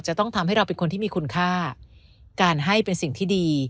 จะต้องทำให้เราเป็นคนที่มีคุณค่าการให้เป็นสิ่งที่ดี